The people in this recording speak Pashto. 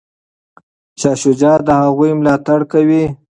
شاه شجاع د هغوی ملاتړ کوي.